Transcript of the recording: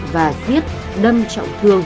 và giết đâm trọng thương